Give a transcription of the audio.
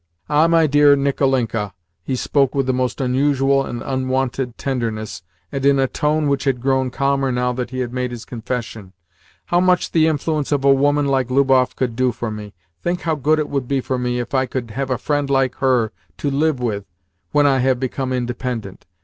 Ah, my dear Nicolinka" he spoke with the most unusual and unwonted tenderness, and in a tone which had grown calmer now that he had made his confession "how much the influence of a woman like Lubov could do for me! Think how good it would be for me if I could have a friend like her to live with when I have become independent!